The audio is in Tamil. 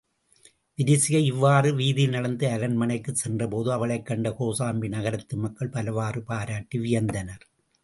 விரிசிகை இவ்வாறு வீதியில் நடந்து அரண்மனைக்குச் சென்றபோது அவளைக் கண்ட கோசாம்பி நகரத்து மக்கள் பலவாறு பாராட்டி வியந்தனர்.